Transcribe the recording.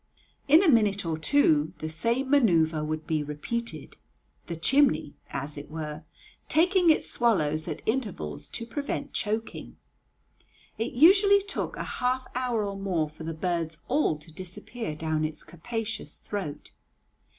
In a minute or two the same manœuvre would be repeated, the chimney, as it were, taking its swallows at intervals to prevent choking. It usually took a half hour or more for the birds all to disappear down its capacious throat.